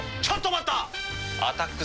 ちょっと待った！